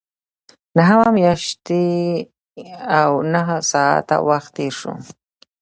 نهه میاشتې او نهه ساعته وخت تېر شو.